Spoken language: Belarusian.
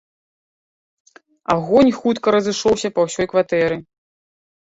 Агонь хутка разышоўся па ўсёй кватэры.